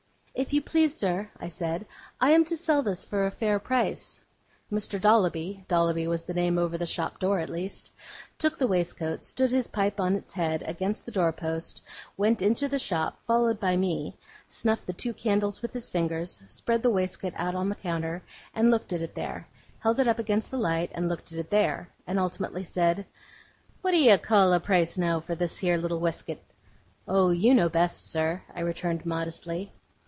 'If you please, sir,' I said, 'I am to sell this for a fair price.' Mr. Dolloby Dolloby was the name over the shop door, at least took the waistcoat, stood his pipe on its head, against the door post, went into the shop, followed by me, snuffed the two candles with his fingers, spread the waistcoat on the counter, and looked at it there, held it up against the light, and looked at it there, and ultimately said: 'What do you call a price, now, for this here little weskit?' 'Oh! you know best, sir,' I returned modestly.